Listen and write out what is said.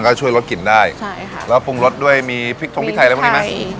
มันก็ช่วยรสกลิ่นได้ใช่ค่ะแล้วปรุงรสด้วยมีพริกทงพริกไทยแล้วมีไหมพริกไทย